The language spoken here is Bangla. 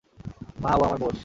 মামা ও আমার বোন।